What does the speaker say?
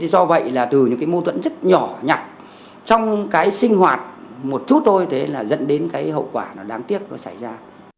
do vậy từ những mâu thuẫn rất nhỏ nhặt trong sinh hoạt một chút thôi dẫn đến hậu quả đáng tiếc xảy ra